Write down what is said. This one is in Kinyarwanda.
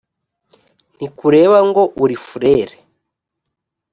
ntikureba ngo uri furere